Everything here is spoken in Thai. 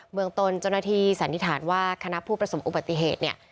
เมืองตนเจ้าหน้าที่สันนิษฐานว่าคณะผู้ประสบอุบัติเหตุเนี่ย